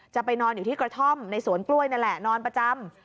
จะไปนอนอยู่ที่กระท่อมในสวนกล้วยนั่นแหละนอนประจำ